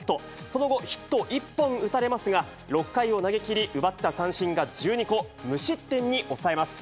その後、ヒット１本打たれますが、６回を投げ切り、奪った三振が１２個、無失点に抑えます。